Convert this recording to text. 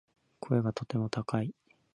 声がとても高い